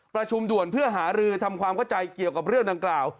ประชุมด่วนเพื่อหารือทำความเข้าใจเกี่ยวกับเรื่องดังกล่าว